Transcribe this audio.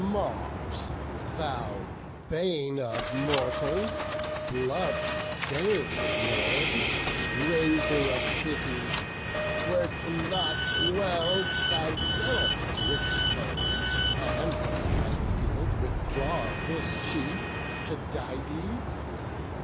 Mars! thou bane of mortals, blood stain'd Lord, Razer of cities, wer't not well thyself To interpose, and from the battle field Withdraw this chief, Tydides?